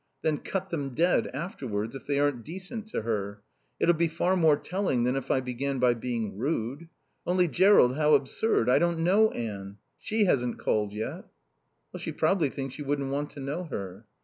Then cut them dead afterwards if they aren't decent to her. It'll be far more telling than if I began by being rude.... Only, Jerrold, how absurd I don't know Anne. She hasn't called yet." "She probably thinks you wouldn't want to know her."